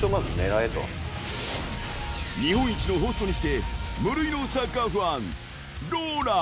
［日本一のホストにして無類のサッカーファン］